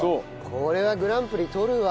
これはグランプリ取るわ。